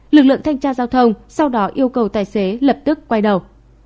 lực lượng thanh tra giao thông sau đó yêu cầu tài xế lập tức quay đầu